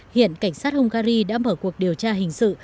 hiện cảnh sát hungary đã mở cuộc điều tra hình sự